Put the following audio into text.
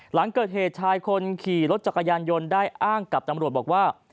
หลังเกิดเหตุชายคนขี่รถจักรยานยนต์ได้อ้างกับตำรวจบอกว่า